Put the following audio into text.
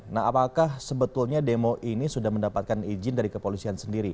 nah apakah sebetulnya demo ini sudah mendapatkan izin dari kepolisian sendiri